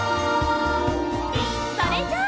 それじゃあ。